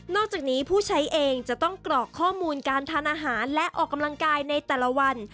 จากนี้ผู้ใช้เองจะต้องกรอกข้อมูลการทานอาหารและออกกำลังกายในแต่ละวัน